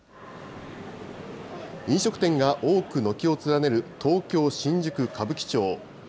飲食店が多く軒を連ねる東京・新宿・歌舞伎町。